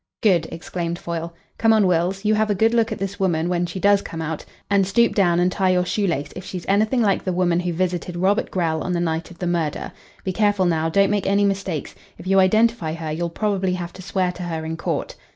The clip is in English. "Good," exclaimed Foyle. "Come on, Wills. You have a good look at this woman when she does come out, and stoop down and tie your shoe lace if she's anything like the woman who visited Robert Grell on the night of the murder. Be careful now. Don't make any mistakes. If you identify her you'll probably have to swear to her in court."